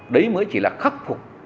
đấy mới chỉ là khắc phục